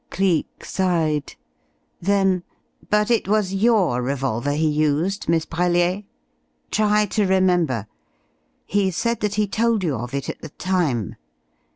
Cleek sighed. Then: "But it was your revolver he used, Miss Brellier? Try to remember. He said that he told you of it at the time.